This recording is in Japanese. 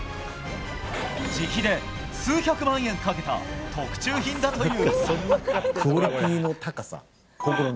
自費で数百万円かけた特注品だという。